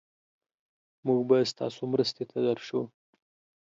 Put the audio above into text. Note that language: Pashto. مونږ به ستاسو مرستې ته درشو.